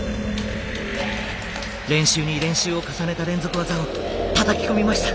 練習に練習を重ねた連続技をたたき込みました。